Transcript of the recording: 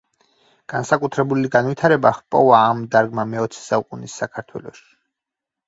განსაკუთრებული განვითარება ჰპოვა ამ დარგმა მეოცე საუკუნის საქართველოში.